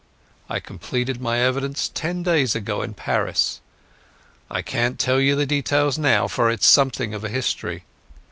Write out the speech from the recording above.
I completed my evidence ten days ago in Paris. I can't tell you the details now, for it's something of a history.